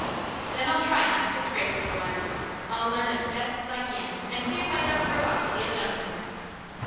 "Then I'll try not to disgrace you, Florence. I'll learn as fast as I can, and see if I don't grow up to be a gentleman."